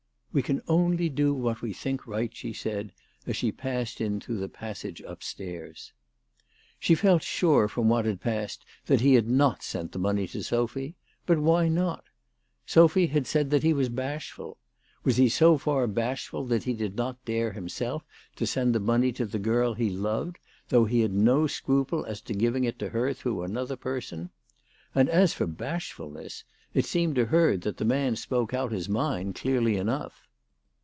" We can only do what we think right," she said, as she passed in through the passage upstairs. She felt sure from what had passed that he had not sent the money to Sophy. But why not ? Sophy had said that he was bashful. Was he so far bashful that he did not dare himself to send the money to the girl he loved, though he had no scruple as to giving it to her through another perstn ? And, as for bashfulness, it seemed to her that the man spoke out his mind clearly enough.